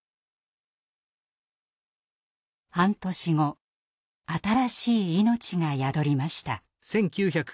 半年後新しい命が宿りました。